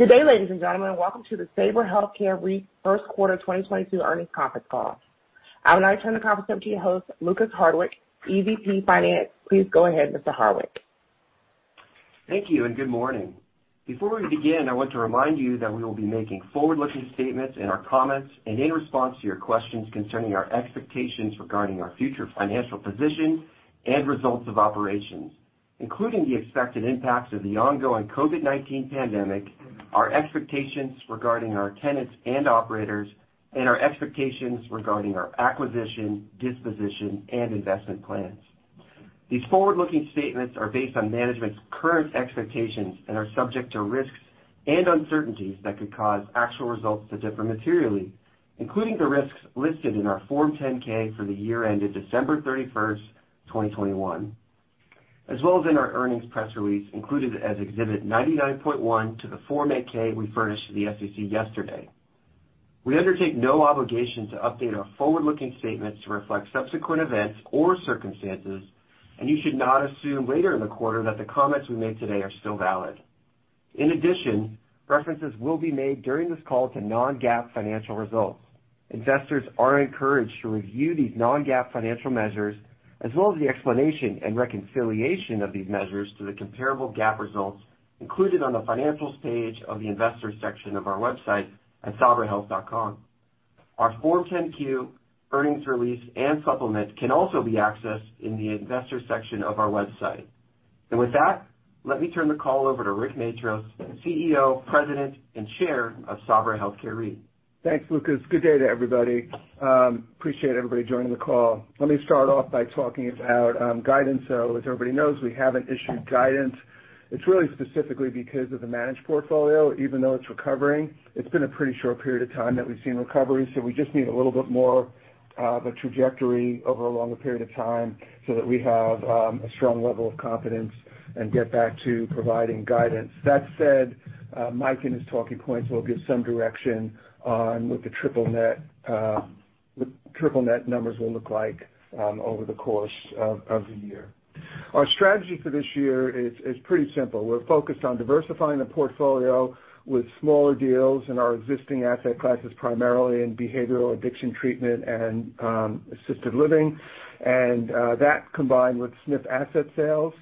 Good day, ladies and gentlemen. Welcome to the Sabra Health Care REIT First Quarter 2022 Earnings Conference Call. I would now turn the conference over to your host, Lukas Hartwich, EVP of Finance. Please go ahead, Mr. Hartwich. Thank you and good morning. Before we begin, I want to remind you that we will be making forward-looking statements in our comments and in response to your questions concerning our expectations regarding our future financial position and results of operations, including the expected impacts of the ongoing COVID-19 pandemic, our expectations regarding our tenants and operators, and our expectations regarding our acquisition, disposition, and investment plans. These forward-looking statements are based on management's current expectations and are subject to risks and uncertainties that could cause actual results to differ materially, including the risks listed in our Form 10-K for the year ended December 31st, 2021, as well as in our earnings press release included as Exhibit 99.1 to the Form 8-K we furnished to the SEC yesterday. We undertake no obligation to update our forward-looking statements to reflect subsequent events or circumstances, and you should not assume later in the quarter that the comments we make today are still valid. In addition, references will be made during this call to non-GAAP financial results. Investors are encouraged to review these non-GAAP financial measures, as well as the explanation and reconciliation of these measures to the comparable GAAP results included on the Financials page of the Investors section of our website at sabrahealth.com. Our Form 10-Q, earnings release, and supplement can also be accessed in the Investors section of our website. With that, let me turn the call over to Rick Matros, CEO, President, and Chair of Sabra Health Care REIT. Thanks, Lukas. Good day to everybody. Appreciate everybody joining the call. Let me start off by talking about guidance. As everybody knows, we haven't issued guidance. It's really specifically because of the managed portfolio. Even though it's recovering, it's been a pretty short period of time that we've seen recovery, so we just need a little bit more of a trajectory over a longer period of time so that we have a strong level of confidence and get back to providing guidance. That said, Mike in his talking points will give some direction on what the triple net numbers will look like over the course of the year. Our strategy for this year is pretty simple. We're focused on diversifying the portfolio with smaller deals in our existing asset classes, primarily in behavioral addiction treatment and assisted living. That combined with SNF asset sales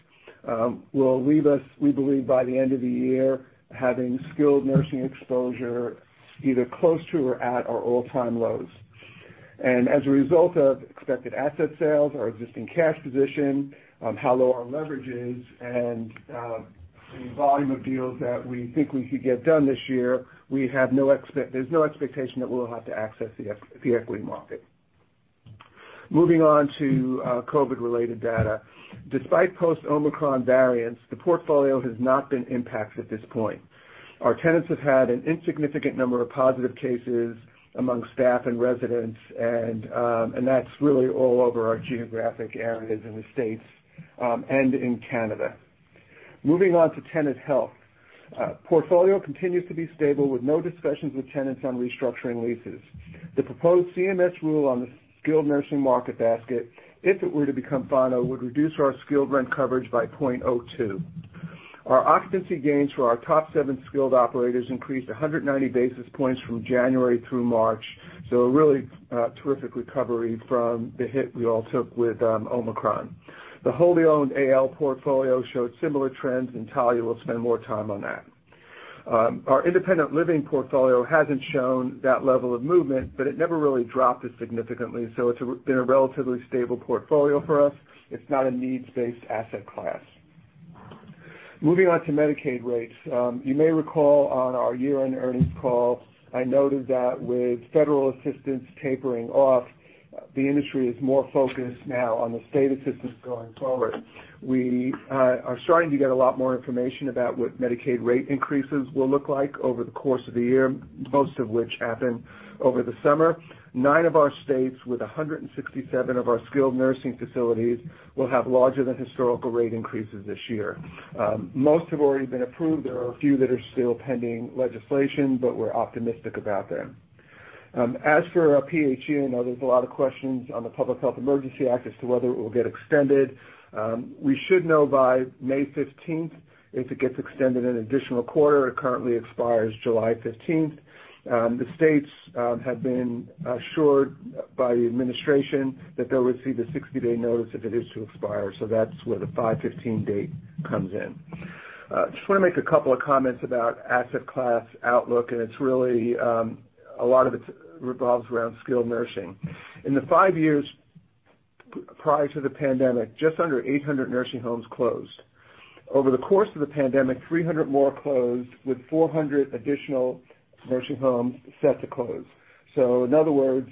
will leave us, we believe, by the end of the year, having skilled nursing exposure either close to or at our all-time lows. As a result of expected asset sales, our existing cash position, how low our leverage is, and the volume of deals that we think we could get done this year, there's no expectation that we'll have to access the equity market. Moving on to COVID-related data. Despite post-Omicron variants, the portfolio has not been impacted at this point. Our tenants have had an insignificant number of positive cases among staff and residents, and that's really all over our geographic areas in the States, and in Canada. Moving on to tenant health. Portfolio continues to be stable with no discussions with tenants on restructuring leases. The proposed CMS rule on the skilled nursing market basket, if it were to become final, would reduce our skilled rent coverage by 0.02x. Our occupancy gains for our top seven skilled operators increased 190 basis points from January through March, so a really terrific recovery from the hit we all took with Omicron. The wholly owned AL portfolio showed similar trends, and Talia will spend more time on that. Our independent living portfolio hasn't shown that level of movement, but it never really dropped it significantly, so it's been a relatively stable portfolio for us. It's not a needs-based asset class. Moving on to Medicaid rates. You may recall on our year-end earnings call, I noted that with federal assistance tapering off, the industry is more focused now on the state assistance going forward. We are starting to get a lot more information about what Medicaid rate increases will look like over the course of the year, most of which happen over the summer. Nine of our states with 167 of our skilled nursing facilities will have larger than historical rate increases this year. Most have already been approved. There are a few that are still pending legislation, but we're optimistic about them. As for our PHE, I know there's a lot of questions on the Public Health Emergency as to whether it will get extended. We should know by May 15th if it gets extended an additional quarter. It currently expires July 15th. The states have been assured by the administration that they'll receive the 60-day notice if it is to expire, so that's where the May 15 date comes in. Just wanna make a couple of comments about asset class outlook, and it's really, a lot of it revolves around skilled nursing. In the five years prior to the pandemic, just under 800 nursing homes closed. Over the course of the pandemic, 300 more closed with 400 additional nursing homes set to close. In other words,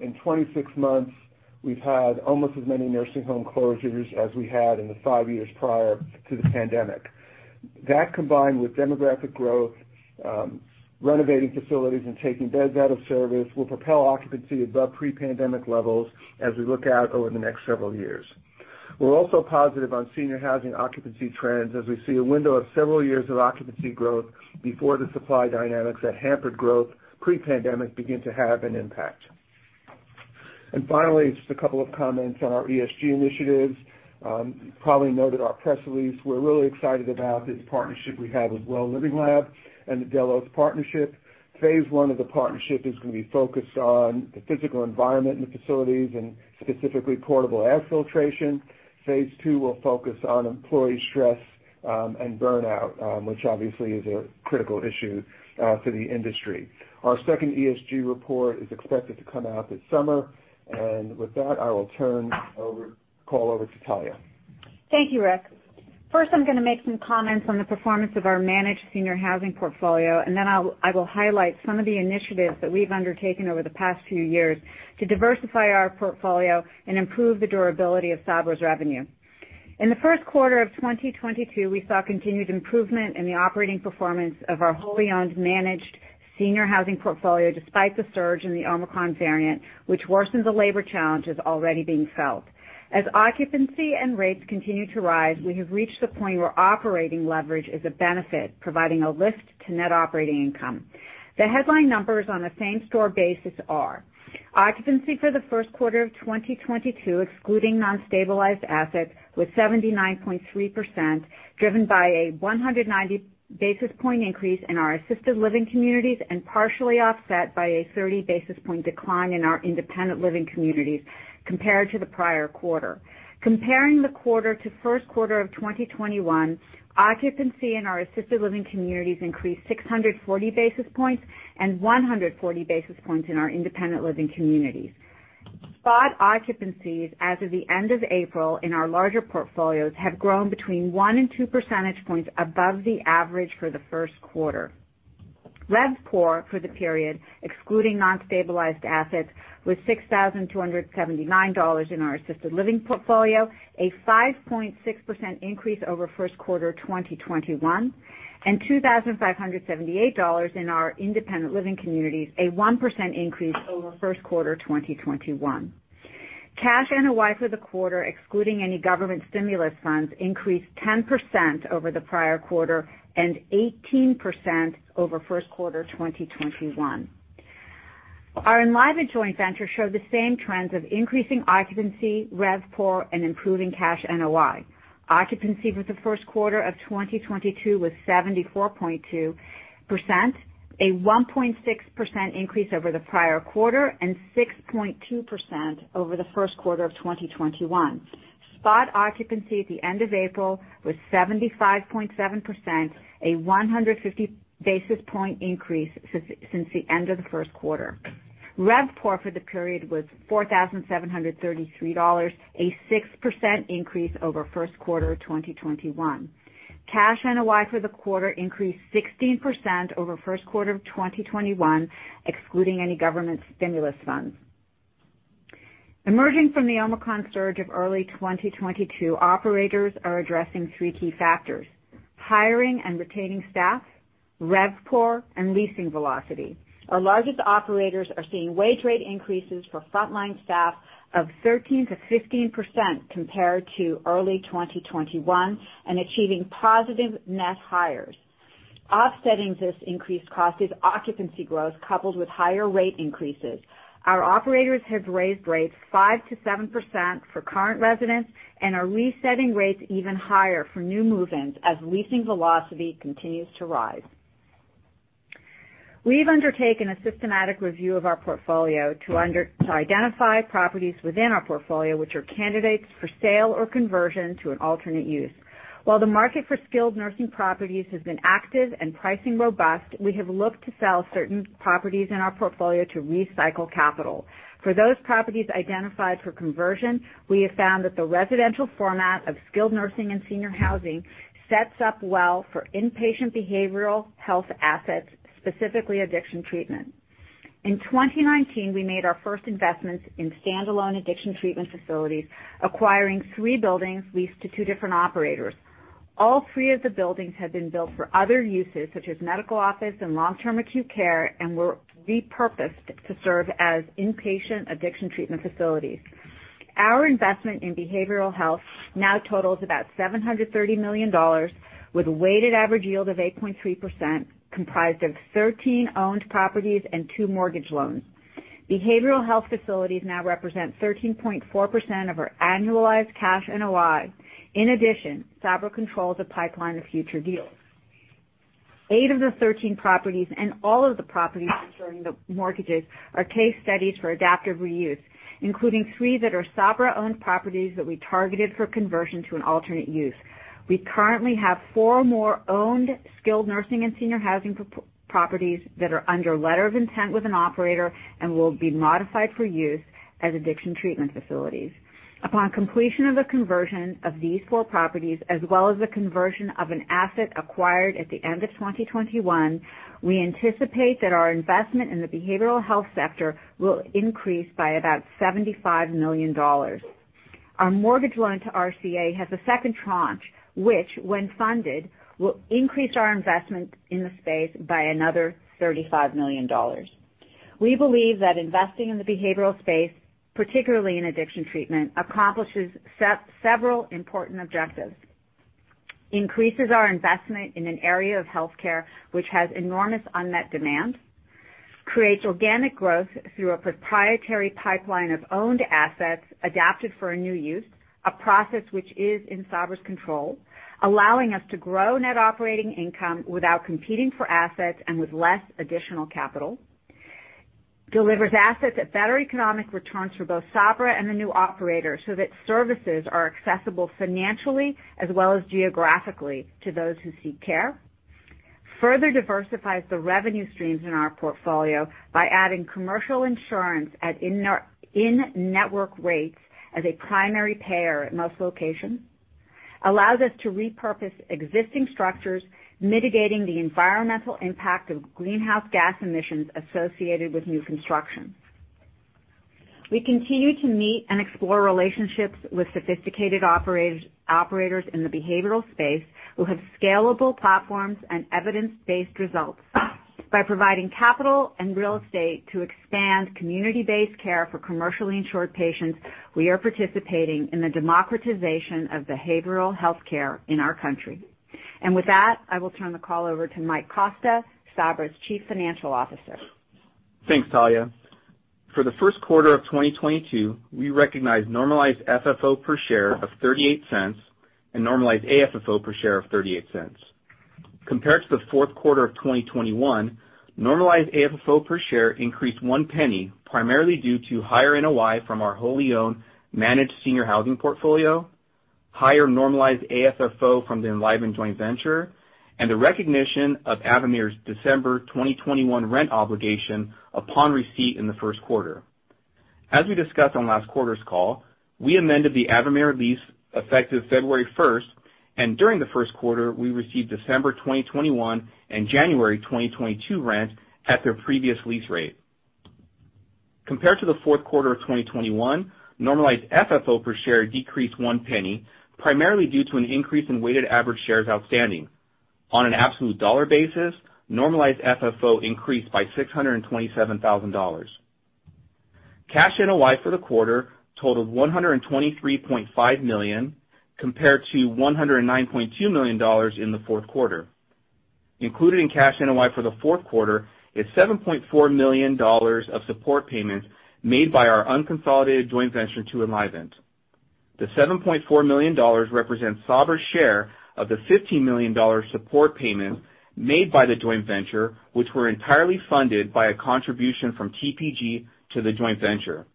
in 26 months, we've had almost as many nursing home closures as we had in the 5 years prior to the pandemic. That combined with demographic growth, renovating facilities and taking beds out of service will propel occupancy above pre-pandemic levels as we look out over the next several years. We're also positive on senior housing occupancy trends as we see a window of several years of occupancy growth before the supply dynamics that hampered growth pre-pandemic begin to have an impact. Finally, just a couple of comments on our ESG initiatives. You probably noted our press release. We're really excited about this partnership we have with Well Living Lab and the Delos partnership. Phase one of the partnership is gonna be focused on the physical environment in the facilities and specifically portable air filtration. Phase two will focus on employee stress and burnout, which obviously is a critical issue for the industry. Our second ESG report is expected to come out this summer. With that, I will turn the call over to Talya. Thank you, Rick. First, I'm gonna make some comments on the performance of our managed senior housing portfolio, and then I will highlight some of the initiatives that we've undertaken over the past few years to diversify our portfolio and improve the durability of Sabra's revenue. In the first quarter of 2022, we saw continued improvement in the operating performance of our wholly owned managed senior housing portfolio, despite the surge in the Omicron variant, which worsened the labor challenges already being felt. As occupancy and rates continued to rise, we have reached the point where operating leverage is a benefit, providing a lift to net operating income. The headline numbers on a same-store basis are: occupancy for the first quarter of 2022, excluding non-stabilized assets, was 79.3%, driven by a 190 basis points increase in our assisted living communities, and partially offset by a 30 basis points decline in our independent living communities compared to the prior quarter. Comparing the quarter to first quarter of 2021, occupancy in our assisted living communities increased 640 basis points, and 140 basis points in our independent living communities. Spot occupancies as of the end of April in our larger portfolios have grown between 1 and 2 percentage points above the average for the first quarter. RevPOR for the period, excluding non-stabilized assets, was $6,279 in our assisted living portfolio, a 5.6% increase over first quarter 2021, and $2,578 in our independent living communities, a 1% increase over first quarter 2021. Cash NOI for the quarter, excluding any government stimulus funds, increased 10% over the prior quarter and 18% over first quarter 2021. Our Enlivant Joint Venture showed the same trends of increasing occupancy, RevPOR, and improving cash NOI. Occupancy for the first quarter of 2022 was 74.2%, a 1.6% increase over the prior quarter, and 6.2% over the first quarter of 2021. Spot occupancy at the end of April was 75.7%, a 150 basis point increase since the end of the first quarter. RevPOR for the period was $4,733, a 6% increase over first quarter 2021. Cash NOI for the quarter increased 16% over first quarter of 2021, excluding any government stimulus funds. Emerging from the Omicron surge of early 2022, operators are addressing three key factors, hiring and retaining staff, RevPOR, and leasing velocity. Our largest operators are seeing wage rate increases for frontline staff of 13%-15% compared to early 2021 and achieving positive net hires. Offsetting this increased cost is occupancy growth, coupled with higher rate increases. Our operators have raised rates 5%-7% for current residents and are resetting rates even higher for new move-ins as leasing velocity continues to rise. We've undertaken a systematic review of our portfolio to identify properties within our portfolio which are candidates for sale or conversion to an alternate use. While the market for skilled nursing properties has been active and pricing robust, we have looked to sell certain properties in our portfolio to recycle capital. For those properties identified for conversion, we have found that the residential format of skilled nursing and senior housing sets up well for inpatient behavioral health assets, specifically addiction treatment. In 2019, we made our first investments in standalone addiction treatment facilities, acquiring three buildings leased to two different operators. All three of the buildings had been built for other uses, such as medical office and long-term acute care, and were repurposed to serve as inpatient addiction treatment facilities. Our investment in behavioral health now totals about $730 million with a weighted average yield of 8.3%, comprised of 13 owned properties and 2 mortgage loans. Behavioral health facilities now represent 13.4% of our annualized cash NOI. In addition, Sabra controls a pipeline of future deals. Eight of the 13 properties and all of the properties concerning the mortgages are case studies for adaptive reuse, including 3 that are Sabra-owned properties that we targeted for conversion to an alternate use. We currently have 4 more owned skilled nursing and senior housing properties that are under letter of intent with an operator and will be modified for use as addiction treatment facilities. Upon completion of the conversion of these four properties, as well as the conversion of an asset acquired at the end of 2021, we anticipate that our investment in the behavioral health sector will increase by about $75 million. Our mortgage loan to RCA has a second tranche, which, when funded, will increase our investment in the space by another $35 million. We believe that investing in the behavioral space, particularly in addiction treatment, accomplishes several important objectives. Increases our investment in an area of healthcare which has enormous unmet demand. Creates organic growth through a proprietary pipeline of owned assets adapted for a new use, a process which is in Sabra's control, allowing us to grow net operating income without competing for assets and with less additional capital. Delivers assets at better economic returns for both Sabra and the new operator so that services are accessible financially as well as geographically to those who seek care. Further diversifies the revenue streams in our portfolio by adding commercial insurance at in-network rates as a primary payer at most locations. Allows us to repurpose existing structures, mitigating the environmental impact of greenhouse gas emissions associated with new construction. We continue to meet and explore relationships with sophisticated operators in the behavioral space who have scalable platforms and evidence-based results. By providing capital and real estate to expand community-based care for commercially insured patients, we are participating in the democratization of behavioral health care in our country. With that, I will turn the call over to Mike Costa, Sabra's Chief Financial Officer. Thanks, Talia. For the first quarter of 2022, we recognized normalized FFO per share of $0.38 and normalized AFFO per share of $0.38. Compared to the fourth quarter of 2021, normalized AFFO per share increased $0.01, primarily due to higher NOI from our wholly owned managed senior housing portfolio, higher normalized AFFO from the Enlivant Joint Venture, and the recognition of Avamere's December 2021 rent obligation upon receipt in the first quarter. As we discussed on last quarter's call, we amended the Avamere lease effective February 1st, and during the first quarter, we received December 2021 and January 2022 rent at their previous lease rate. Compared to the fourth quarter of 2021, normalized FFO per share decreased $0.01, primarily due to an increase in weighted average shares outstanding. On an absolute dollar basis, normalized FFO increased by $627,000. Cash NOI for the quarter totaled $123.5 million, compared to $109.2 million in the fourth quarter. Included in cash NOI for the fourth quarter is $7.4 million of support payments made by our unconsolidated joint venture to Enlivant. The $7.4 million represents Sabra's share of the $15 million support payment made by the joint venture, which were entirely funded by a contribution from TPG to the joint venture.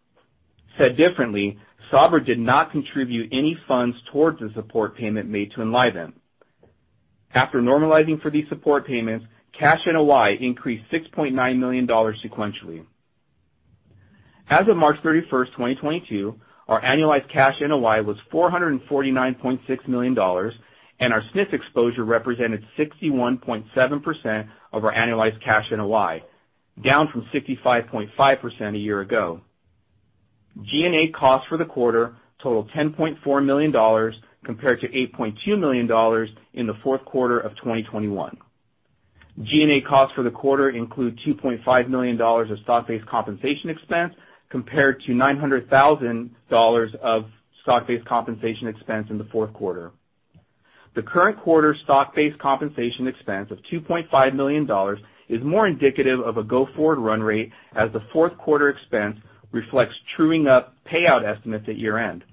Said differently, Sabra did not contribute any funds towards the support payment made to Enlivant Joint Venture. After normalizing for these support payments, cash NOI increased $6.9 million sequentially. As of March 31st, 2022, our annualized cash NOI was $449.6 million, and our SNF exposure represented 61.7% of our annualized cash NOI, down from 65.5% a year ago. G&A costs for the quarter totaled $10.4 million, compared to $8.2 million in the fourth quarter of 2021. G&A costs for the quarter include $2.5 million of stock-based compensation expense, compared to $900,000 of stock-based compensation expense in the fourth quarter. The current quarter stock-based compensation expense of $2.5 million is more indicative of a go-forward run rate, as the fourth quarter expense reflects truing up payout estimates at year-end.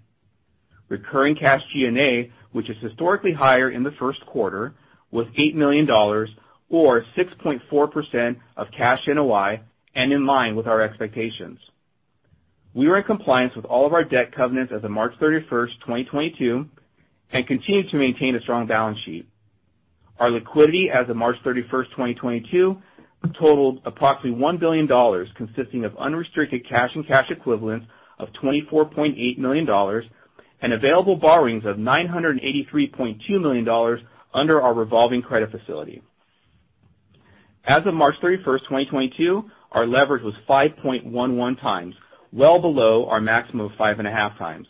Recurring cash G&A, which is historically higher in the first quarter, was $8 million or 6.4% of cash NOI and in line with our expectations. We were in compliance with all of our debt covenants as of March 31st, 2022, and continue to maintain a strong balance sheet. Our liquidity as of March 31st, 2022, totaled approximately $1 billion, consisting of unrestricted cash and cash equivalents of $24.8 million and available borrowings of $983.2 million under our revolving credit facility. As of March 31st, 2022, our leverage was 5.11x, well below our maximum of 5.5x.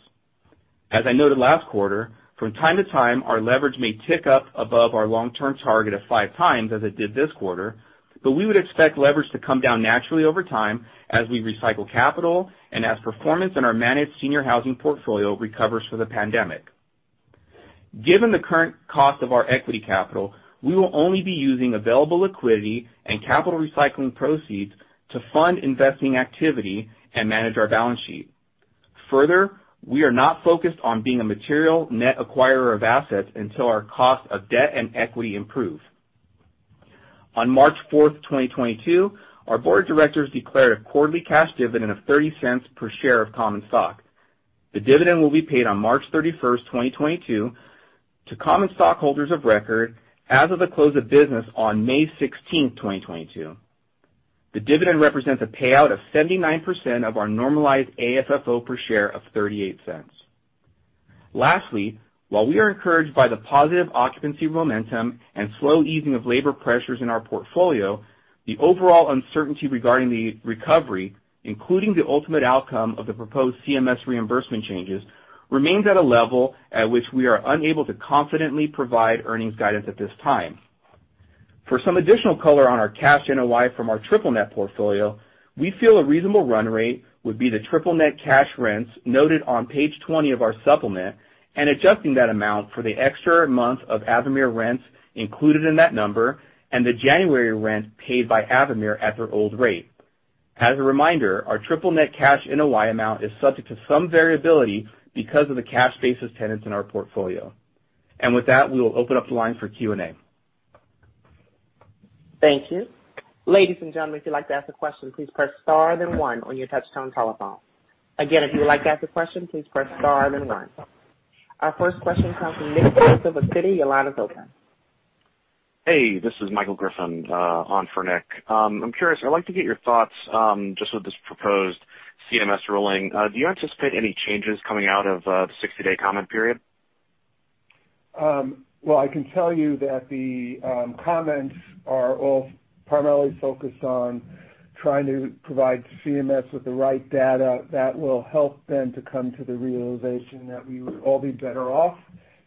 As I noted last quarter, from time to time, our leverage may tick up above our long-term target of 5x as it did this quarter, but we would expect leverage to come down naturally over time as we recycle capital and as performance in our managed senior housing portfolio recovers from the pandemic. Given the current cost of our equity capital, we will only be using available liquidity and capital recycling proceeds to fund investing activity and manage our balance sheet. Further, we are not focused on being a material net acquirer of assets until our cost of debt and equity improve. On March 4th, 2022, our board of directors declared a quarterly cash dividend of $0.30 per share of common stock. The dividend will be paid on March 31st, 2022 to common stockholders of record as of the close of business on May 16th, 2022. The dividend represents a payout of 79% of our normalized AFFO per share of $0.38. Lastly, while we are encouraged by the positive occupancy momentum and slow easing of labor pressures in our portfolio, the overall uncertainty regarding the recovery, including the ultimate outcome of the proposed CMS reimbursement changes, remains at a level at which we are unable to confidently provide earnings guidance at this time. For some additional color on our cash NOI from our triple net portfolio, we feel a reasonable run rate would be the triple net cash rents noted on page 20 of our supplement, and adjusting that amount for the extra month of Avamere rents included in that number and the January rent paid by Avamere at their old rate. As a reminder, our triple net cash NOI amount is subject to some variability because of the cash basis tenants in our portfolio. With that, we will open up the line for Q&A. Thank you. Ladies and gentlemen, if you'd like to ask a question, please press star then one on your touchtone telephone. Again, if you would like to ask a question, please press star then one. Our first question comes from Nick of Citi. Your line is open. Hey, this is Michael Griffin on for Nick. I'm curious. I'd like to get your thoughts just with this proposed CMS ruling. Do you anticipate any changes coming out of the 60-day comment period? Well, I can tell you that the comments are all primarily focused on trying to provide CMS with the right data that will help them to come to the realization that we would all be better off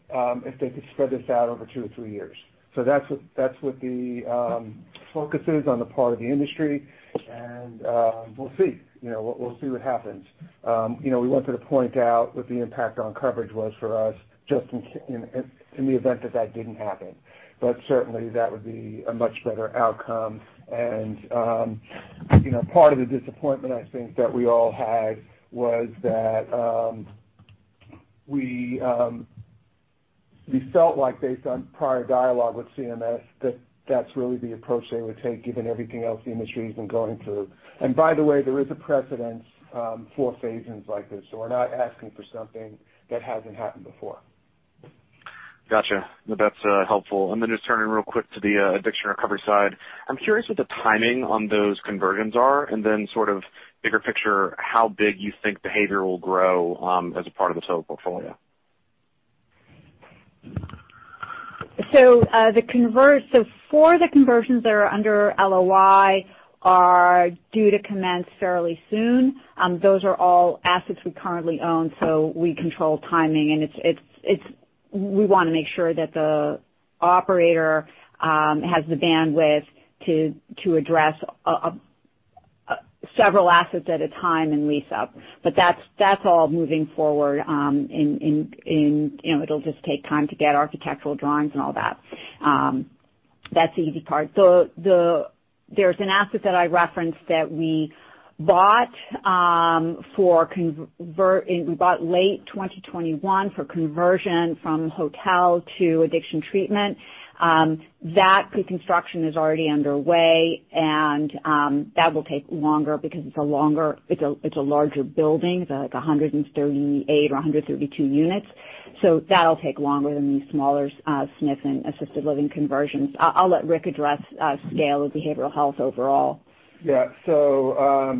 if they could spread this out over two or three years. That's what the focus is on the part of the industry, and we'll see. You know, we'll see what happens. You know, we wanted to point out what the impact on coverage was for us just in the event that that didn't happen. Certainly that would be a much better outcome. You know, part of the disappointment I think that we all had was that we felt like based on prior dialogue with CMS that that's really the approach they would take given everything else the industry's been going through. By the way, there is a precedent for phase-ins like this, so we're not asking for something that hasn't happened before. Gotcha. That's helpful. Just turning real quick to the addiction recovery side. I'm curious what the timing on those conversions are, and then sort of bigger picture, how big you think behavioral will grow, as a part of the total portfolio. Four of the conversions that are under LOI are due to commence fairly soon. Those are all assets we currently own, so we control timing. We want to make sure that the operator has the bandwidth to address several assets at a time and lease up. That's all moving forward. You know, it'll just take time to get architectural drawings and all that. That's the easy part. There's an asset that I referenced that we bought late 2021 for conversion from hotel to addiction treatment. That pre-construction is already underway and that will take longer because it's a larger building. It's like 138 or 132 units. That'll take longer than the smaller SNF and assisted living conversions. I'll let Rick address scale of behavioral health overall. Yeah.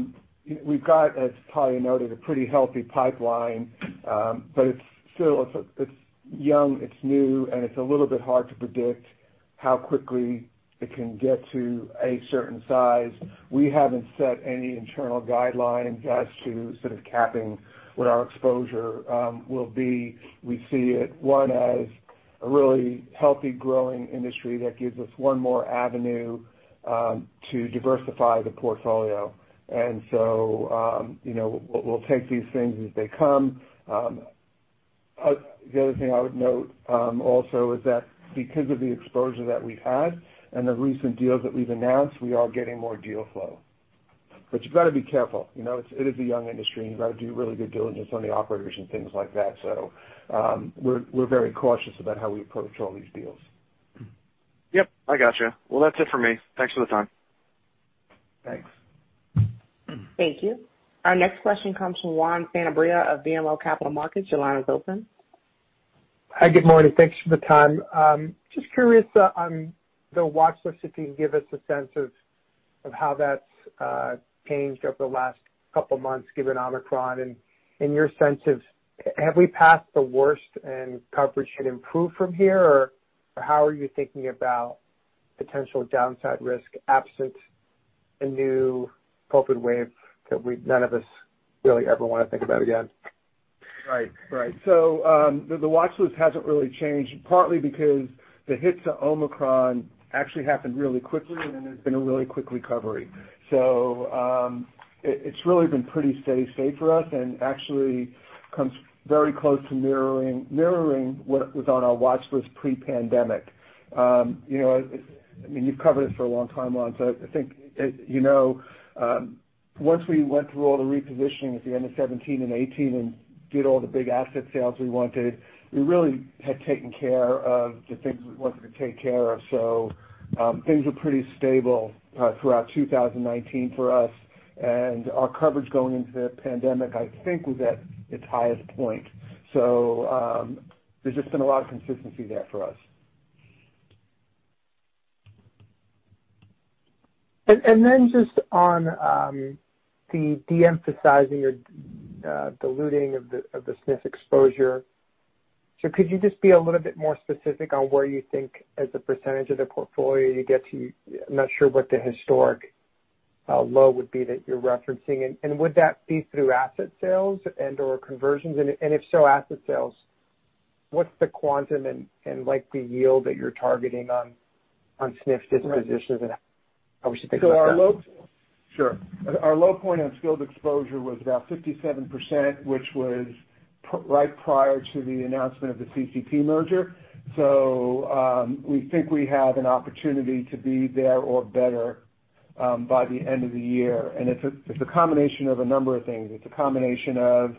We've got, as Talya noted, a pretty healthy pipeline. It's still, it's young, it's new, and it's a little bit hard to predict how quickly it can get to a certain size. We haven't set any internal guidelines as to sort of capping what our exposure will be. We see it, one, as a really healthy growing industry that gives us one more avenue to diversify the portfolio. You know, we'll take these things as they come. The other thing I would note also is that because of the exposure that we've had and the recent deals that we've announced, we are getting more deal flow. You've got to be careful, you know. It is a young industry, and you've got to do real due diligence on the operators and things like that. We're very cautious about how we approach all these deals. Yep. I gotcha. Well, that's it for me. Thanks for the time. Thanks. Thank you. Our next question comes from Juan Sanabria of BMO Capital Markets. Your line is open. Hi, good morning. Thanks for the time. Just curious, on the watch list, if you can give us a sense of how that's changed over the last couple months given Omicron and your sense of have we passed the worst and coverage should improve from here, or how are you thinking about potential downside risk absent a new COVID wave that none of us really ever wanna think about again? Right. The watch list hasn't really changed, partly because the hit to Omicron actually happened really quickly and then there's been a really quick recovery. It's really been pretty steady state for us and actually comes very close to mirroring what was on our watch list pre-pandemic. You know, I mean, you've covered us for a long time, Juan, so I think you know, once we went through all the repositioning at the end of 2017 and 2018 and did all the big asset sales we wanted, we really had taken care of the things we wanted to take care of. Things were pretty stable throughout 2019 for us. Our coverage going into the pandemic, I think, was at its highest point. There's just been a lot of consistency there for us. Then just on the de-emphasizing or diluting of the SNF exposure. Could you just be a little bit more specific on where you think as a percentage of the portfolio you get to? I'm not sure what the historic low would be that you're referencing. Would that be through asset sales and/or conversions? If so, asset sales. What's the quantum and like the yield that you're targeting on SNF dispositions and how we should think about that? Our low point on skilled exposure was about 57%, which was right prior to the announcement of the CCP merger. We think we have an opportunity to be there or better by the end of the year. It's a combination of a number of things. It's a combination of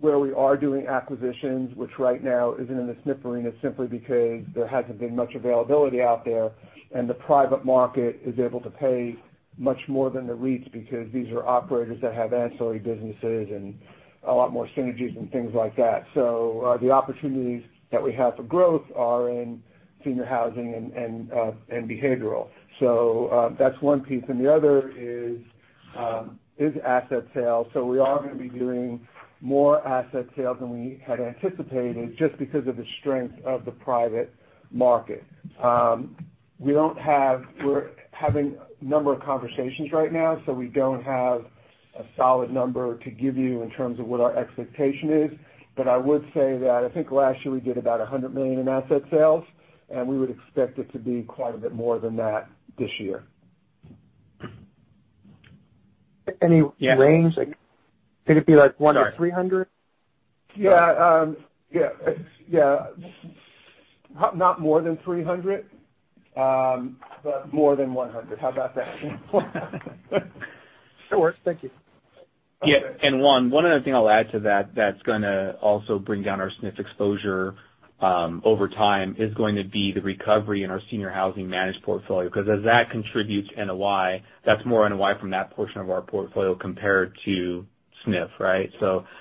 where we are doing acquisitions, which right now isn't in the SNF arena simply because there hasn't been much availability out there, and the private market is able to pay much more than the REITs because these are operators that have ancillary businesses and a lot more synergies and things like that. The opportunities that we have for growth are in senior housing and behavioral. That's one piece, and the other is asset sales. We are gonna be doing more asset sales than we had anticipated just because of the strength of the private market. We're having a number of conversations right now, so we don't have a solid number to give you in terms of what our expectation is. I would say that I think last year we did about $100 million in asset sales, and we would expect it to be quite a bit more than that this year. Any range? Could it be like 1-300? Yeah. Not more than 300, but more than 100. How about that? Sure. Thank you. Okay. Juan, one other thing I'll add to that's gonna also bring down our SNF exposure over time is going to be the recovery in our senior housing managed portfolio, because as that contributes NOI, that's more NOI from that portion of our portfolio compared to SNF, right?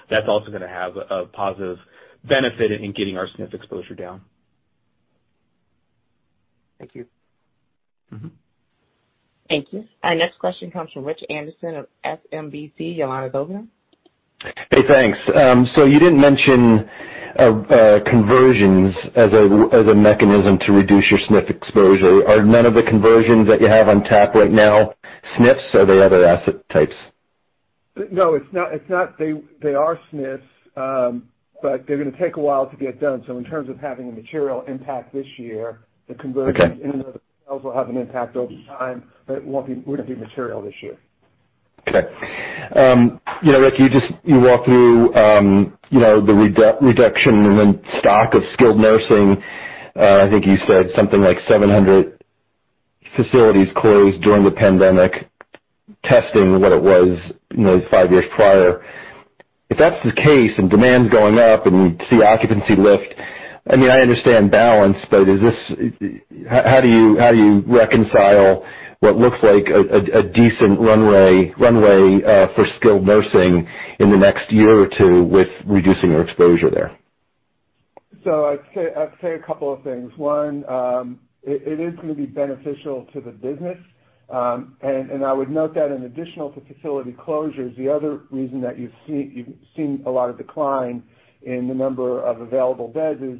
That's also gonna have a positive benefit in getting our SNF exposure down. Thank you. Mm-hmm. Thank you. Our next question comes from Rich Anderson of SMBC. Your line is open. Hey, thanks. You didn't mention conversions as a mechanism to reduce your SNF exposure. Are none of the conversions that you have on tap right now SNFs? Are there other asset types? No, it's not. They are SNFs, but they're gonna take a while to get done. In terms of having a material impact this year, the conversions- Okay. The sales will have an impact over time, but it wouldn't be material this year. Okay. You know, Rick, you just walk through, you know, the reduction in stock of skilled nursing. I think you said something like 700 facilities closed during the pandemic, versus what it was, you know, 5 years prior. If that's the case and demand's going up and we see occupancy lift, I mean, I understand balance, but is this? How do you reconcile what looks like a decent runway for skilled nursing in the next year or two with reducing your exposure there? I'd say a couple of things. One, it is gonna be beneficial to the business. I would note that in addition to facility closures, the other reason that you've seen a lot of decline in the number of available beds is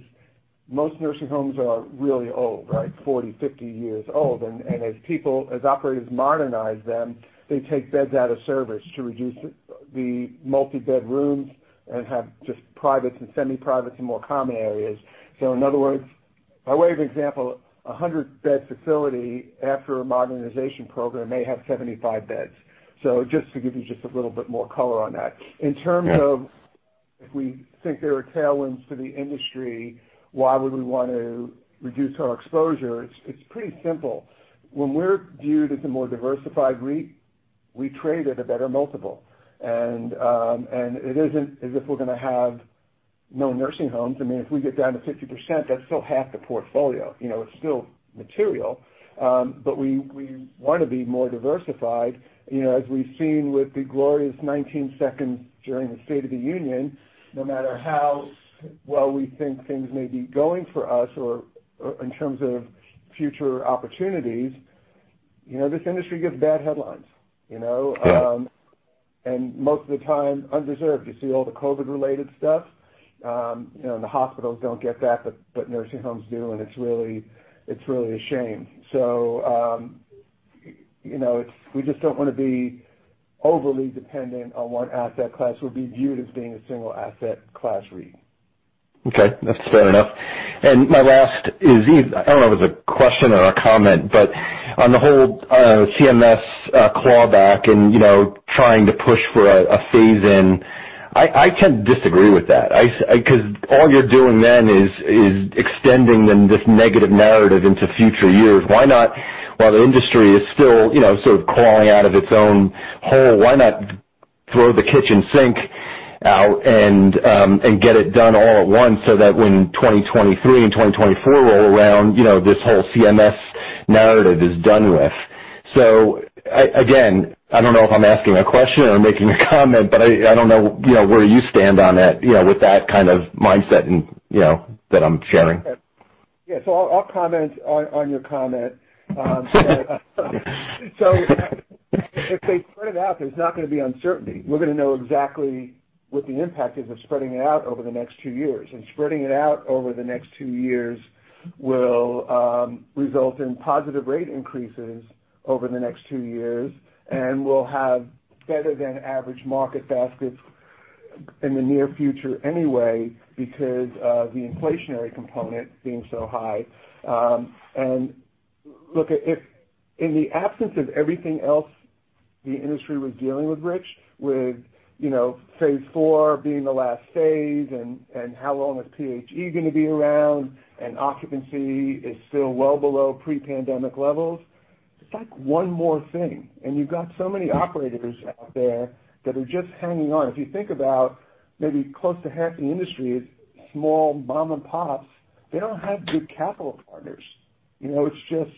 most nursing homes are really old, right? 40, 50 years old. As operators modernize them, they take beds out of service to reduce the multi-bed rooms and have just privates and semi-privates and more common areas. In other words, by way of example, a 100-bed facility after a modernization program may have 75 beds. Just to give you a little bit more color on that. Yeah. In terms of if we think there are tailwinds to the industry, why would we want to reduce our exposure? It's pretty simple. When we're viewed as a more diversified REIT, we trade at a better multiple. It isn't as if we're gonna have no nursing homes. I mean, if we get down to 50%, that's still half the portfolio. You know, it's still material. We wanna be more diversified. You know, as we've seen with the glorious 19 seconds during the State of the Union, no matter how well we think things may be going for us or in terms of future opportunities, you know, this industry gives bad headlines, you know? Yeah. Most of the time, undeserved. You see all the COVID-related stuff. The hospitals don't get that, but nursing homes do, and it's really a shame. We just don't wanna be overly dependent on one asset class. We'll be viewed as being a single asset class REIT. Okay. That's fair enough. My last is I don't know if it's a question or a comment, but on the whole, CMS clawback and, you know, trying to push for a phase in, I tend to disagree with that. 'Cause all you're doing then is extending then this negative narrative into future years. Why not, while the industry is still, you know, sort of crawling out of its own hole, why not throw the kitchen sink out and get it done all at once so that when 2023 and 2024 roll around, you know, this whole CMS narrative is done with? Again, I don't know if I'm asking a question or making a comment, but I don't know, you know, where you stand on that, you know, with that kind of mindset and, you know, that I'm sharing. Yeah. I'll comment on your comment. If they spread it out, there's not gonna be uncertainty. We're gonna know exactly what the impact is of spreading it out over the next two years. Spreading it out over the next two years will result in positive rate increases over the next two years and will have better than average market baskets in the near future anyway because of the inflationary component being so high. Look, if in the absence of everything else the industry was dealing with, Rich, with you know, phase four being the last phase and how long is PHE gonna be around, and occupancy is still well below pre-pandemic levels. It's like one more thing, and you've got so many operators out there that are just hanging on. If you think about maybe close to half the industry is small mom and pops, they don't have good capital partners. You know, it's just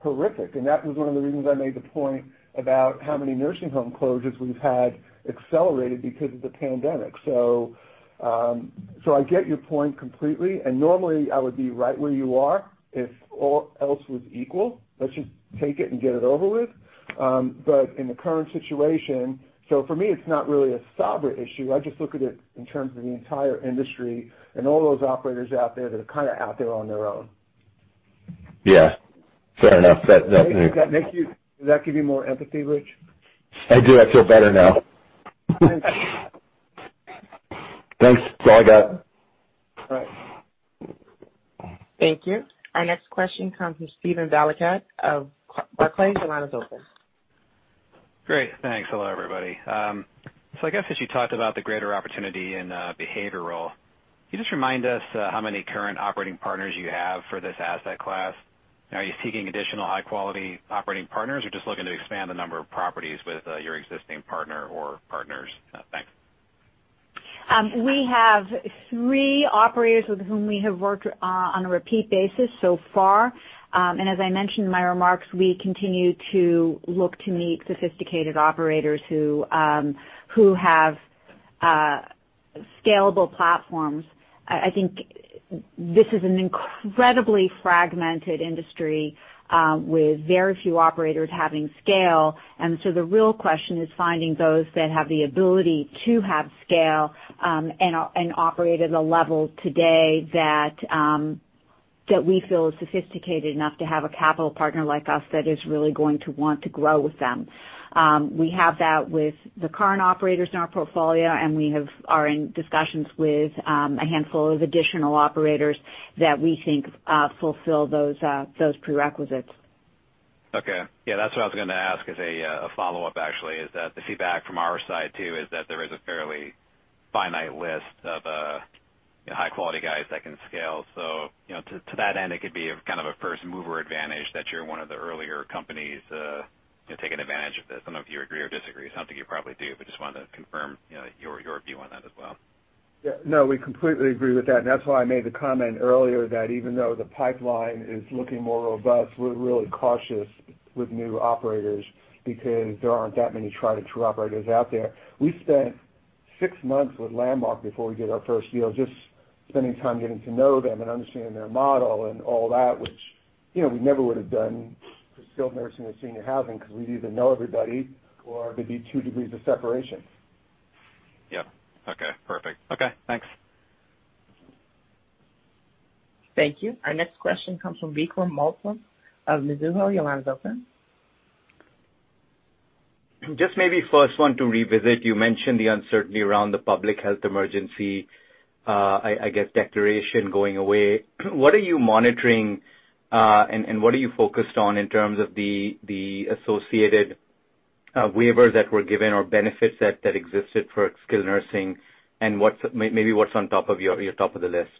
horrific. That was one of the reasons I made the point about how many nursing home closures we've had accelerated because of the pandemic. I get your point completely, and normally I would be right where you are if all else was equal. Let's just take it and get it over with. In the current situation, for me, it's not really a Sabra issue. I just look at it in terms of the entire industry and all those operators out there that are kinda out there on their own. Yeah. Fair enough. That makes- Does that give you more empathy, Rich? I do. I feel better now. Okay. Thanks. That's all I got. All right. Thank you. Our next question comes from Steven Valiquette of Barclays. Your line is open. Great. Thanks. Hello, everybody. I guess as you talked about the greater opportunity in behavioral, can you just remind us how many current operating partners you have for this asset class? And are you seeking additional high-quality operating partners or just looking to expand the number of properties with your existing partner or partners? Thanks. We have three operators with whom we have worked on a repeat basis so far. As I mentioned in my remarks, we continue to look to meet sophisticated operators who have scalable platforms. I think this is an incredibly fragmented industry with very few operators having scale. The real question is finding those that have the ability to have scale and operate at a level today that we feel is sophisticated enough to have a capital partner like us that is really going to want to grow with them. We have that with the current operators in our portfolio, and we are in discussions with a handful of additional operators that we think fulfill those prerequisites. Okay. Yeah, that's what I was gonna ask as a follow-up actually. The feedback from our side too is that there is a fairly finite list of high quality guys that can scale. You know, to that end, it could be a kind of a first mover advantage that you're one of the earlier companies taking advantage of this. I don't know if you agree or disagree. Something you probably do, but just wanted to confirm, you know, your view on that as well. Yeah. No, we completely agree with that. That's why I made the comment earlier that even though the pipeline is looking more robust, we're really cautious with new operators because there aren't that many tried and true operators out there. We spent six months with Landmark before we did our first deal, just spending time getting to know them and understanding their model and all that, which, you know, we never would have done for skilled nursing or senior housing because we'd either know everybody or it'd be two degrees of separation. Yep. Okay. Perfect. Okay. Thanks. Thank you. Our next question comes from Vikram Malhotra of Mizuho. Your line is open. Just maybe first want to revisit, you mentioned the uncertainty around the Public Health Emergency, I guess, declaration going away. What are you monitoring, and what are you focused on in terms of the associated waivers that were given or benefits that existed for skilled nursing, and what's maybe what's on top of your top of the list?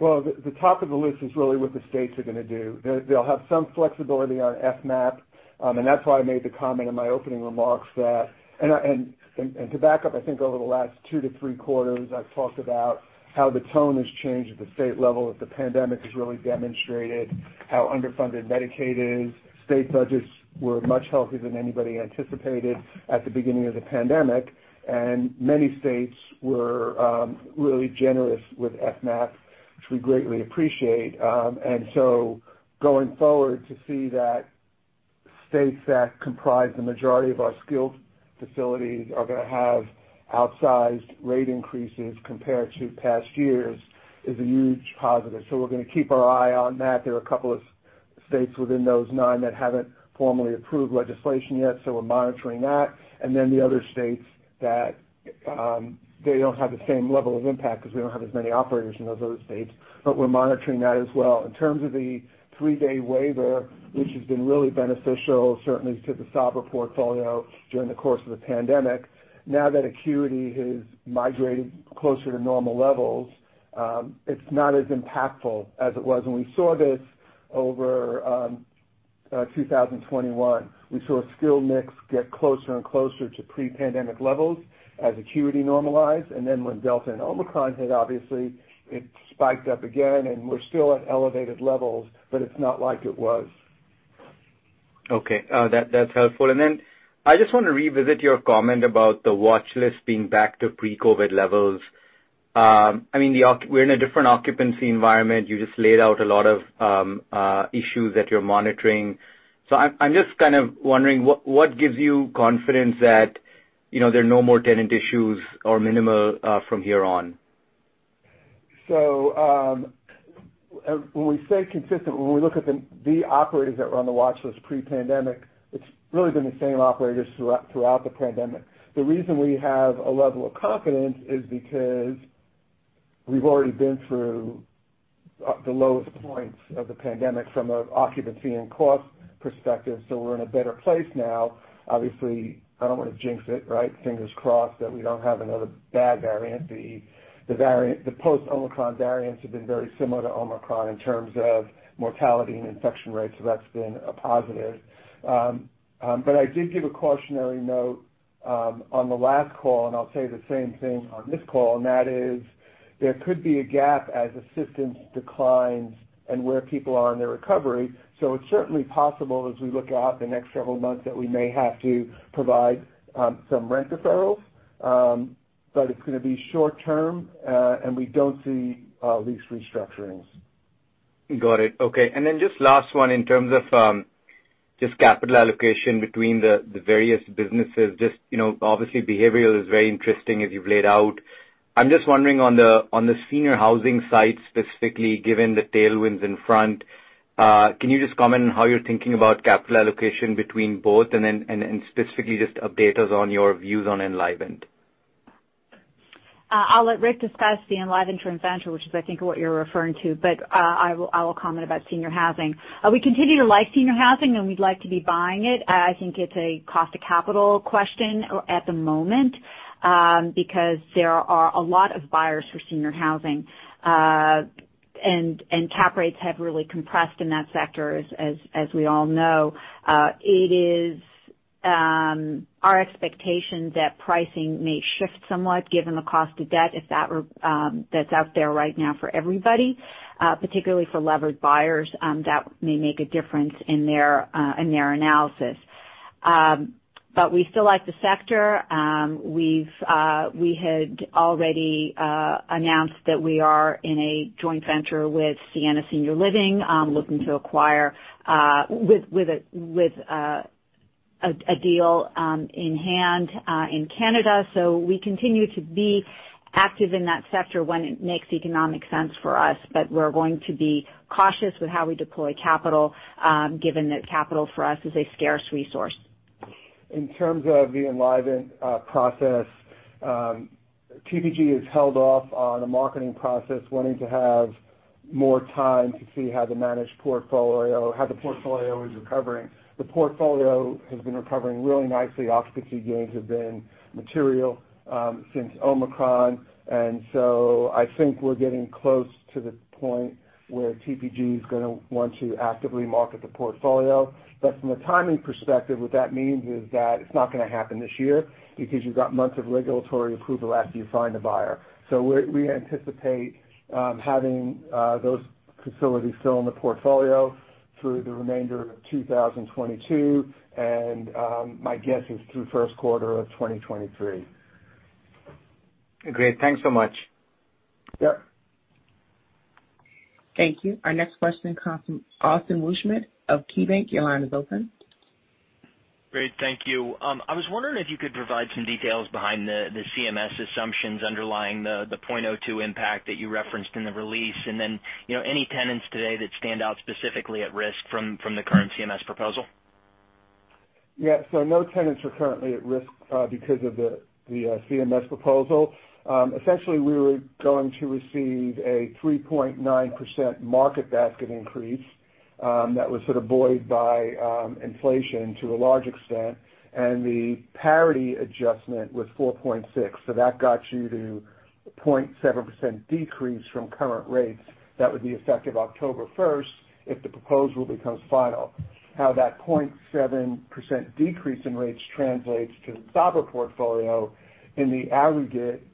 Well, the top of the list is really what the states are gonna do. They'll have some flexibility on FMAP, and that's why I made the comment in my opening remarks that. To back up, I think over the last 2-3 quarters, I've talked about how the tone has changed at the state level, that the pandemic has really demonstrated how underfunded Medicaid is. State budgets were much healthier than anybody anticipated at the beginning of the pandemic, and many states were really generous with FMAP, which we greatly appreciate. Going forward to see that states that comprise the majority of our skilled facilities are gonna have outsized rate increases compared to past years is a huge positive. We're gonna keep our eye on that. There are a couple of states within those nine that haven't formally approved legislation yet, so we're monitoring that. Then the other states that, they don't have the same level of impact because we don't have as many operators in those other states, but we're monitoring that as well. In terms of the three-day waiver, which has been really beneficial, certainly to the Sabra portfolio during the course of the pandemic, now that acuity has migrated closer to normal levels, it's not as impactful as it was. We saw this over, two thousand twenty-one. We saw a skilled mix get closer and closer to pre-pandemic levels as acuity normalized. Then when Delta and Omicron hit, obviously it spiked up again, and we're still at elevated levels, but it's not like it was. Okay. That's helpful. Then I just wanna revisit your comment about the watch list being back to pre-COVID levels. I mean, we're in a different occupancy environment. You just laid out a lot of issues that you're monitoring. I'm just kind of wondering what gives you confidence that, you know, there are no more tenant issues or minimal from here on? When we say consistent, when we look at the operators that were on the watchlist pre-pandemic, it's really been the same operators throughout the pandemic. The reason we have a level of confidence is because we've already been through the lowest points of the pandemic from an occupancy and cost perspective, so we're in a better place now. Obviously, I don't wanna jinx it, right? Fingers crossed that we don't have another bad variant. The variant, the post-Omicron variants have been very similar to Omicron in terms of mortality and infection rates, so that's been a positive. But I did give a cautionary note on the last call, and I'll say the same thing on this call, and that is there could be a gap as assistance declines and where people are in their recovery. It's certainly possible as we look out the next several months that we may have to provide some rent deferrals, but it's gonna be short term, and we don't see lease restructurings. Got it. Okay. Just last one in terms of just capital allocation between the various businesses. Just, you know, obviously behavioral is very interesting as you've laid out. I'm just wondering on the senior housing side specifically, given the tailwinds in front, can you just comment on how you're thinking about capital allocation between both and then specifically just update us on your views on Enlivant Joint Venture? I'll let Rick discuss the Enlivant Joint Venture, which is, I think, what you're referring to, but I will comment about senior housing. We continue to like senior housing, and we'd like to be buying it. I think it's a cost of capital question at the moment, because there are a lot of buyers for senior housing. Cap rates have really compressed in that sector as we all know. It is our expectation that pricing may shift somewhat given the cost of debt if that's out there right now for everybody, particularly for levered buyers, that may make a difference in their analysis. We still like the sector. We had already announced that we are in a joint venture with Sienna Senior Living, looking to acquire with a deal in hand in Canada. We continue to be active in that sector when it makes economic sense for us, but we're going to be cautious with how we deploy capital, given that capital for us is a scarce resource. In terms of the Enlivant Joint Venture process, TPG has held off on a marketing process wanting to have more time to see how the managed portfolio, how the portfolio is recovering. The portfolio has been recovering really nicely. Occupancy gains have been material since Omicron. I think we're getting close to the point where TPG is gonna want to actively market the portfolio. From a timing perspective, what that means is that it's not gonna happen this year because you've got months of regulatory approval after you find a buyer. We anticipate having those facilities still in the portfolio through the remainder of 2022, and my guess is through first quarter of 2023. Great. Thanks so much. Yep. Thank you. Our next question comes from Austin Wurschmidt of KeyBanc Capital Markets. Your line is open. Great. Thank you. I was wondering if you could provide some details behind the CMS assumptions underlying the 0.02x impact that you referenced in the release and then, you know, any tenants today that stand out specifically at risk from the current CMS proposal? Yeah. No tenants are currently at risk because of the CMS proposal. Essentially, we were going to receive a 3.9% market basket increase that was sort of buoyed by inflation to a large extent. The parity adjustment was 4.6, so that got you to 0.7% decrease from current rates that would be effective October 1st, if the proposal becomes final. How that 0.7% decrease in rates translates to the Sabra portfolio in the aggregate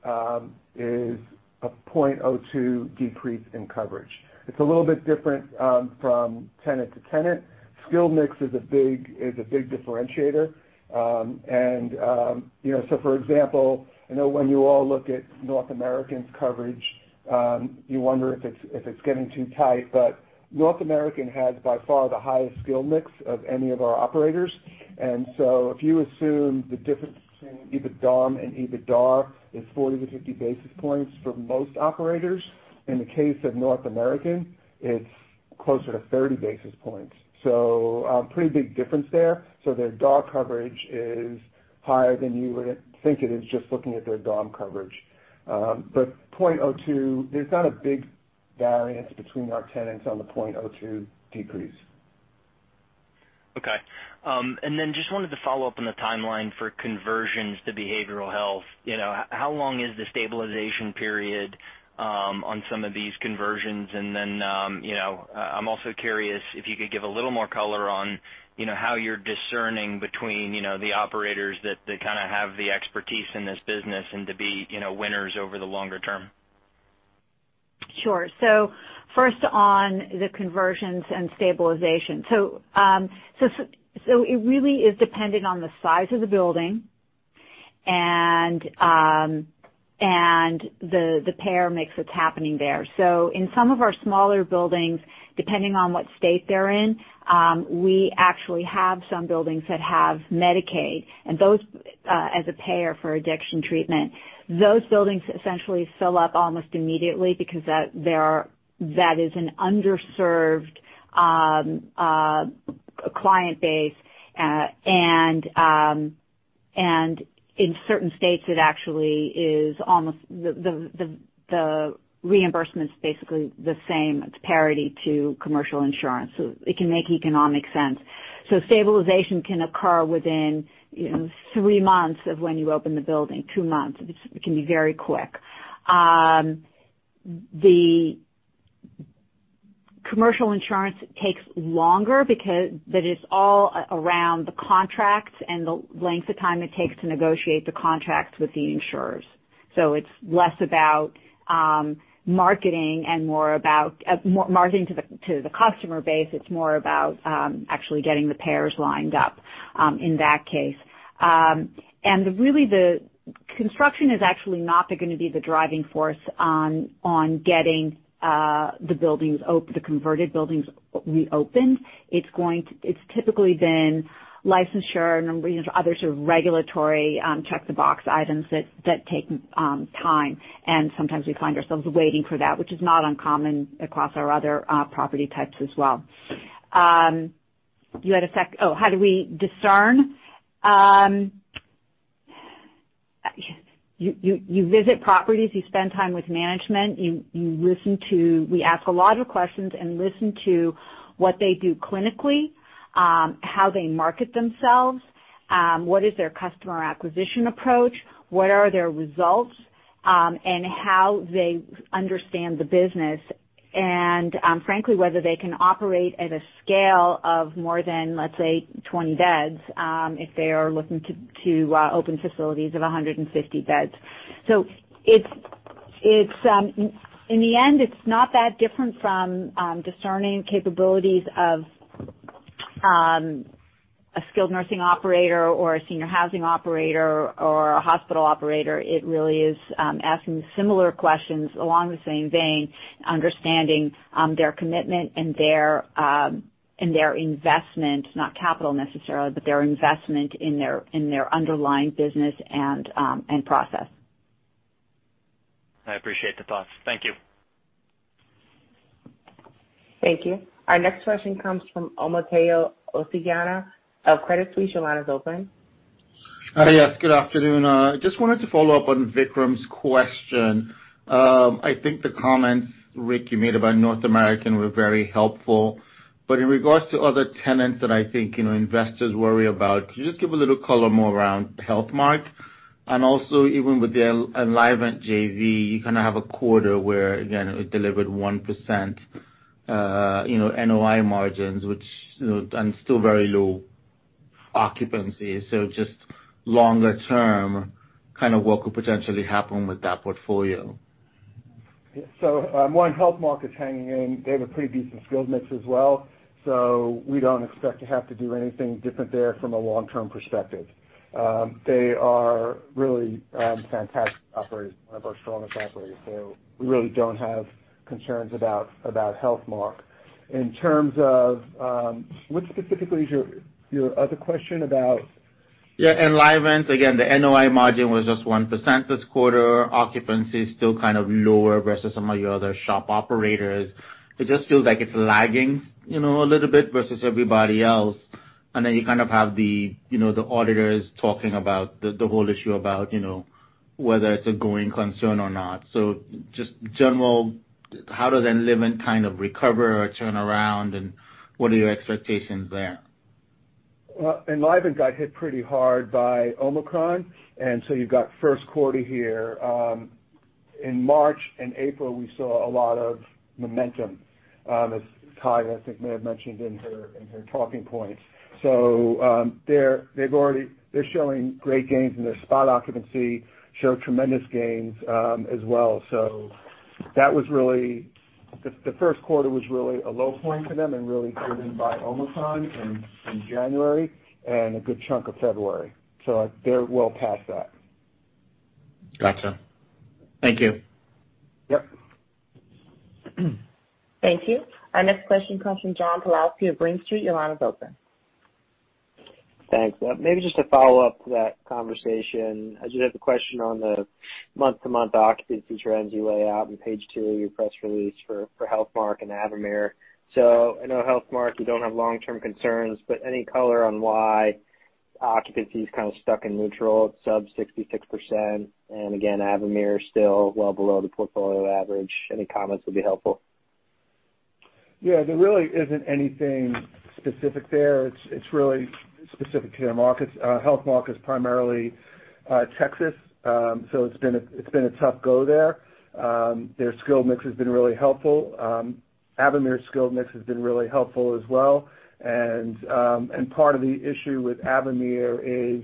is a 0.02x decrease in coverage. It's a little bit different from tenant to tenant. Skill mix is a big differentiator. You know, for example, I know when you all look at North American's coverage, you wonder if it's getting too tight. North American has by far the highest skill mix of any of our operators. If you assume the difference between EBITDARM and EBITDA is 40-50 basis points for most operators, in the case of North American, it's closer to 30 basis points. Pretty big difference there. Their DOM coverage is higher than you would think it is just looking at their DOM coverage. But 0.02x, there's not a big variance between our tenants on the 0.02x decrease. Okay. Just wanted to follow up on the timeline for conversions to behavioral health. You know, how long is the stabilization period on some of these conversions? I'm also curious if you could give a little more color on, you know, how you're discerning between, you know, the operators that kinda have the expertise in this business and to be, you know, winners over the longer term. Sure. First on the conversions and stabilization. It really is dependent on the size of the building and the payer mix that's happening there. In some of our smaller buildings, depending on what state they're in, we actually have some buildings that have Medicaid and those as a payer for addiction treatment. Those buildings essentially fill up almost immediately because that is an underserved client base. In certain states, it actually is almost the reimbursement's basically the same. It's parity to commercial insurance, so it can make economic sense. Stabilization can occur within, you know, three months of when you open the building, two months. It can be very quick. The commercial insurance takes longer because It's all around the contracts and the length of time it takes to negotiate the contracts with the insurers. It's less about marketing and more about marketing to the customer base. It's more about actually getting the payers lined up in that case. Really the construction is actually not gonna be the driving force on getting the converted buildings reopened. It's typically been licensure and a number of reasons, other sort of regulatory check the box items that take time. Sometimes we find ourselves waiting for that, which is not uncommon across our other property types as well. How do we discern? You visit properties, you spend time with management, you listen to. We ask a lot of questions and listen to what they do clinically, how they market themselves, what is their customer acquisition approach, what are their results, and how they understand the business. Frankly, whether they can operate at a scale of more than, let's say, 20 beds, if they are looking to open facilities of 150 beds. It's. In the end, it's not that different from discerning capabilities of a skilled nursing operator or a senior housing operator or a hospital operator. It really is asking similar questions along the same vein, understanding their commitment and their investment, not capital necessarily, but their investment in their underlying business and process. I appreciate the thoughts. Thank you. Thank you. Our next question comes from Omotayo Okusanya of Credit Suisse. Your line is open. Hi. Yes, good afternoon. Just wanted to follow up on Vikram Malhotra's question. I think the comments, Rick, you made about North American were very helpful. In regards to other tenants that I think, you know, investors worry about, could you just give a little more color around Healthmark? Also, even with the Enlivant Joint Venture, you kind of have a quarter where, again, it delivered 1%, you know, NOI margins, which, you know, and still very low occupancy. Just longer term, kind of what could potentially happen with that portfolio. One, Healthmark is hanging in. They have a pretty decent skilled mix as well, so we don't expect to have to do anything different there from a long-term perspective. They are really fantastic operators, one of our strongest operators. We really don't have concerns about Healthmark. In terms of what specifically is your other question about? Yeah, Enlivant Joint Venture. Again, the NOI margin was just 1% this quarter. Occupancy is still kind of lower versus some of your other shop operators. It just feels like it's lagging, you know, a little bit versus everybody else. And then you kind of have the, you know, the auditors talking about the whole issue about, you know, whether it's a going concern or not. Just general, how does Enlivant kind of recover or turn around, and what are your expectations there? Well, Enlivant got hit pretty hard by Omicron, and so you've got first quarter here. In March and April, we saw a lot of momentum, as Kai, I think, may have mentioned in her talking points. They're showing great gains, and their spot occupancy showed tremendous gains, as well. That was really. The first quarter was really a low point for them and really hit hard by Omicron in January and a good chunk of February. They're well past that. Gotcha. Thank you. Yep. Thank you. Our next question comes from John Pawlowski of Green Street. Your line is open. Thanks. Maybe just to follow up to that conversation, I just have a question on the month-to-month occupancy trends you lay out on page 2 of your press release for Healthmark and Avamere. I know Healthmark, you don't have long-term concerns, but any color on why occupancy is kind of stuck in neutral at sub-66%. Again, Avamere is still well below the portfolio average. Any comments would be helpful. Yeah, there really isn't anything specific there. It's really specific to their markets. Healthmark is primarily Texas, so it's been a tough go there. Their skilled mix has been really helpful. Avamere skilled mix has been really helpful as well. Part of the issue with Avamere is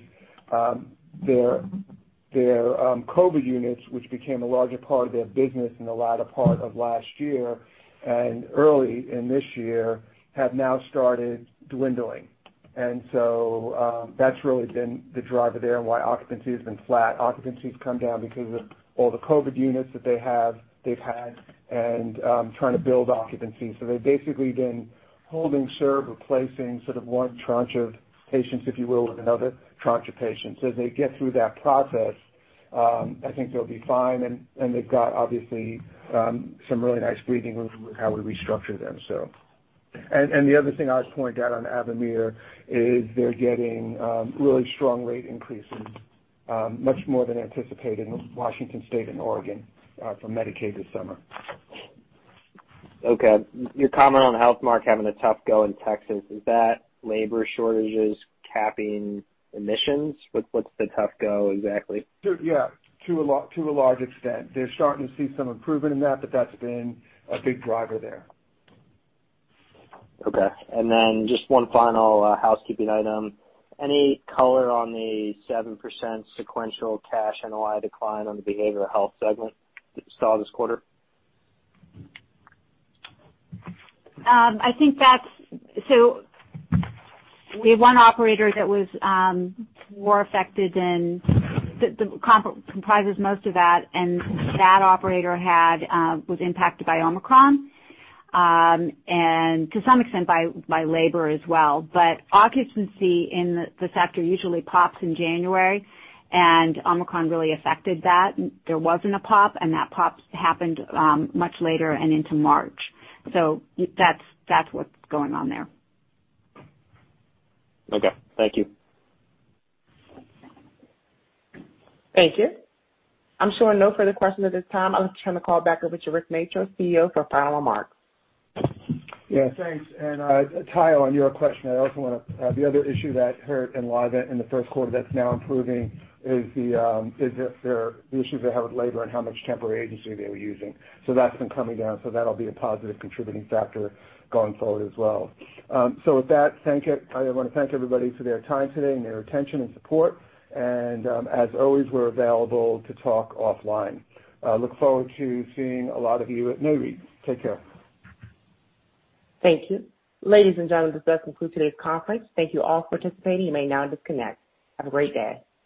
their COVID units, which became a larger part of their business in the latter part of last year and early in this year, have now started dwindling. That's really been the driver there and why occupancy has been flat. Occupancy's come down because of all the COVID units that they've had and trying to build occupancy. They've basically been holding serve, replacing sort of one tranche of patients, if you will, with another tranche of patients. As they get through that process, I think they'll be fine. The other thing I'll just point out on Avamere is they're getting really strong rate increases, much more than anticipated in Washington State and Oregon, from Medicaid this summer. Okay. Your comment on Healthmark having a tough go in Texas, is that labor shortages capping admissions? What, what's the tough go exactly? Yeah. To a large extent. They're starting to see some improvement in that, but that's been a big driver there. Okay. Just one final housekeeping item. Any color on the 7% sequential cash NOI decline on the behavioral health segment that you saw this quarter? I think we have one operator that was more affected than the one that comprises most of that, and that operator was impacted by Omicron and to some extent by labor as well. Occupancy in the sector usually pops in January, and Omicron really affected that. There wasn't a pop, and that pop happened much later and into March. That's what's going on there. Okay. Thank you. Thank you. I'm showing no further questions at this time. I'll turn the call back over to Rick Matros, CEO, for final remarks. Yeah, thanks. Ty, on your question, the other issue that hurt Enlivant in the first quarter that's now improving is that their issues they had with labor and how much temporary agency they were using. That's been coming down, so that'll be a positive contributing factor going forward as well. With that, thank you. I wanna thank everybody for their time today and their attention and support. As always, we're available to talk offline. Look forward to seeing a lot of you at Nareit. Take care. Thank you. Ladies and gentlemen, this does conclude today's conference. Thank you all for participating. You may now disconnect. Have a great day.